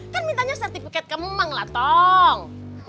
kan mintanya sertifikat kemang lah tolong